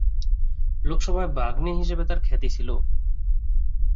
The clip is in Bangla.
লোকসভায় বাগ্মী হিসেবে তার খ্যাতি ছিল।